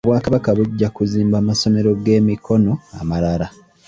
Obwakabaka bujja kuzimba amasomero g'emikono amalala.